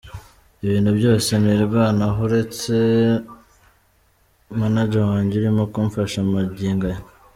Ibintu byose nirwanaho uretse manager wanjye urimo kumfasha magingo aya.